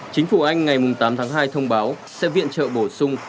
chính phủ anh ngày tám tháng hai thông báo sẽ viện trợ bổ sung